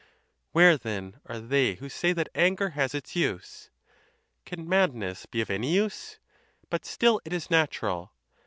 Where, then, are they who say that anger has its use? Can madness be of any use? But still it is natural.